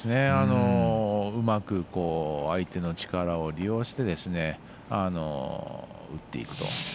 うまく相手の力を利用して打っていくと。